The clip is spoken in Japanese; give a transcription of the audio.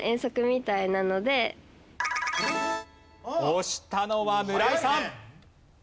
押したのは村井さん。